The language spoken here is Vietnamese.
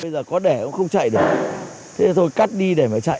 bây giờ có đẻ cũng không chạy được thế rồi cắt đi để mà chạy